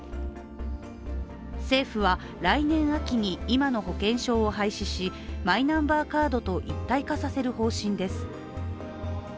政府は来年秋に、今の保険証を廃止しマイナンバーカードと一体化させる方針です。